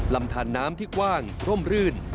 ลำนานที่กว้างลั่มเลื่อน